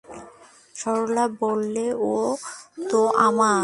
সরলা বললে, ও তো আমার।